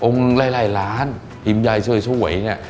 องค์นึงหลายล้านพิมพ์ใหญ่ช่วยเนี่ย